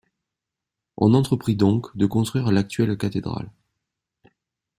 On entreprit donc de construire l'actuelle cathédrale.